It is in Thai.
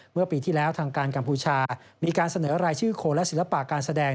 เมื่อปีที่แล้วทางการกัมพูชามีการเสนอรายชื่อโคนและศิลปะการแสดง